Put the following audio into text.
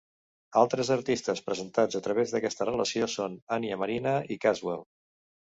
Altres artistes presentats a través d'aquesta relació són Anya Marina i Cazwell.